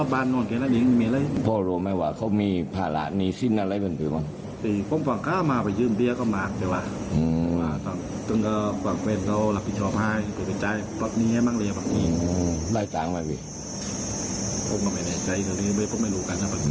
แบบนี้มากเลยยังไม่รู้